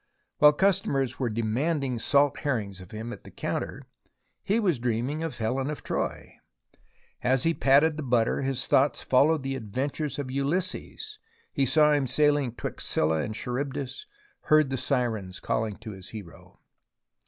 While customers were demanding salt herrings of him at the counter, he was dreaming of Helen of Troy, and as he patted the butter his thoughts followed the adventures of Ulysses, saw him sailing 'twixt Scylla and Charybdis, heard the sirens calling to his hero.